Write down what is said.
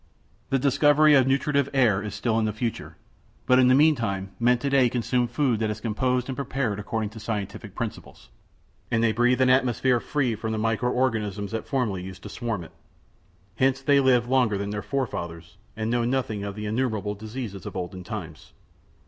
The discovery of nutritive air is still in the future, but in the meantime men today consume food that is compounded and prepared according to scientific principles, and they breathe an atmosphere freed from the micro organisms that formerly used to swarm in it; hence they live longer than their forefathers and know nothing of the innumerable diseases of olden times.